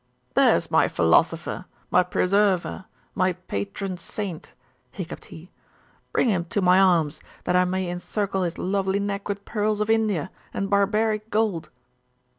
'There is my philosopher, my preserver, my patron saint!' hiccupped he. 'Bring him to my arms, that I may encircle his lovely neck with pearls of India, and barbaric gold!